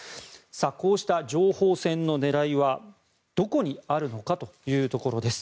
こうした情報戦の狙いは、どこにあるのかというところです。